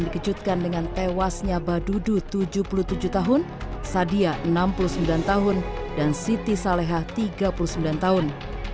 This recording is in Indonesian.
dikejutkan dengan tewasnya badudu tujuh puluh tujuh tahun sadia enam puluh sembilan tahun dan siti saleha tiga puluh sembilan tahun